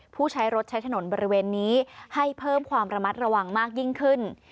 ผู้ใช้รถใช้ถนนบริเวณนี้ให้เพิ่มความระมัดระวังมากยิ่งขึ้น